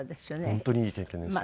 本当にいい経験でした。